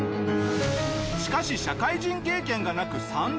しかし社会人経験がなく３０代半ば。